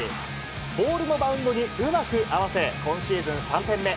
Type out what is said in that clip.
ボールのバウンドにうまく合わせ、今シーズン３点目。